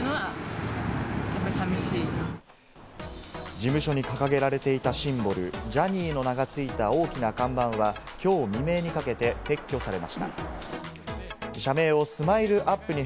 事務所に掲げられていたシンボル、「Ｊｏｈｎｎｙ」の名がついた大きな看板は、きょう未明にかけて撤去されました。